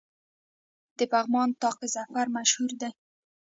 د پغمان طاق ظفر مشهور دی